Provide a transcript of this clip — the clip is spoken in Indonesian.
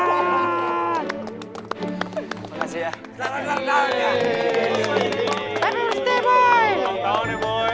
selamat tahun ya boy